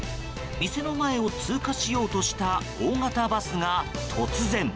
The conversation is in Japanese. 店の前を通過しようとした大型バスが突然。